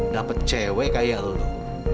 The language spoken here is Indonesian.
dapet cewek kayak lo